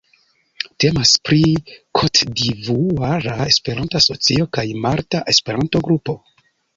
Temas pri Kotdivuara Esperanto-Asocio kaj Malta Esperanto-Grupo.